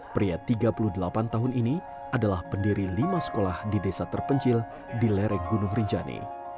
pria tiga puluh delapan tahun ini adalah pendiri lima sekolah di desa terpencil di lereng gunung rinjani